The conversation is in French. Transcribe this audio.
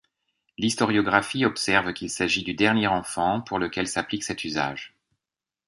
L'historiographie observe qu'il s'agit du dernier enfant pour lequel s'applique cet usage.